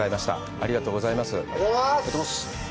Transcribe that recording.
ありがとうございます。